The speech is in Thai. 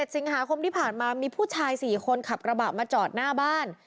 สิงหาคมที่ผ่านมามีผู้ชาย๔คนขับกระบะมาจอดหน้าบ้าน